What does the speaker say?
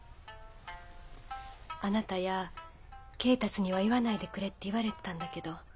「あなたや恵達には言わないでくれ」って言われてたんだけど。